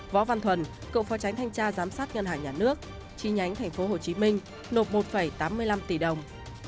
võ văn thuần cựu phó tránh thanh tra giám sát ngân hàng nhà nước chi nhánh tp hcm nộp một tám mươi năm tỷ đồng